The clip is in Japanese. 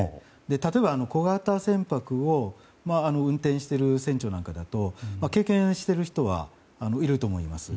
例えば小型船舶を運転している船長なんかだと経験している人はいると思います。